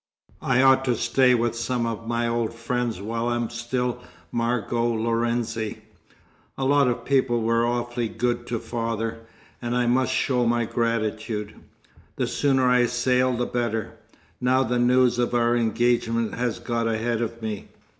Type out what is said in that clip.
I ought to stay with some of my old friends while I'm still Margot Lorenzi. A lot of people were awfully good to father, and I must show my gratitude. The sooner I sail the better, now the news of our engagement has got ahead of me.